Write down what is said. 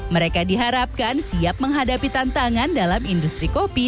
mereka diharapkan siap menghadapi tantangan dalam industri kopi